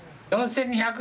４２００！